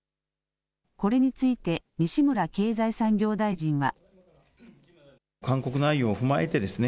これについて、西村経済産業大臣は。